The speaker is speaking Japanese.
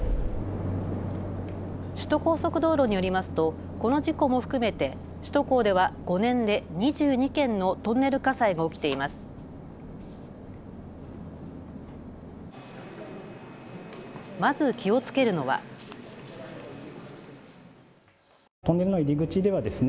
首都高速道路によりますとこの事故も含めて首都高では５年で２２件のトンネル火災が起きています。